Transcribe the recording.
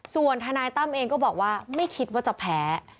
ส่วนทนายตั้มเองก็บอกว่าไม่คิดว่าจะแพ้